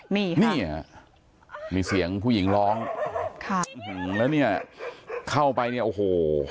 นี่ค่ะนี่มีเสียงผู้หญิงร้องค่ะอื้อหวังแล้วเนี้ยเข้าไปเนี้ยโอ้โห